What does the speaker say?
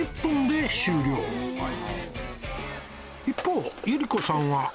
一方百合子さんは